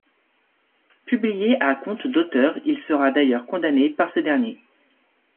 Publié à compte d'auteur, il sera d'ailleurs condamné par ce dernier.